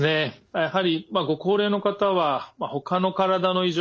やはりご高齢の方はほかの体の異常